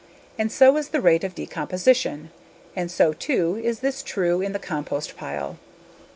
And so is the rate of decomposition. And so too is this true in the compost pile.